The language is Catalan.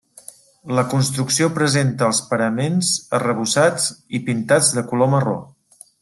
La construcció presenta els paraments arrebossats i pintats de color marró.